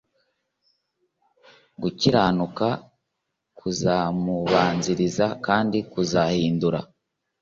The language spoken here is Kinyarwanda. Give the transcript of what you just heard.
gukiranuka kuzamubanziriza kandi kuzahindura